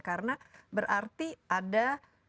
karena berarti ada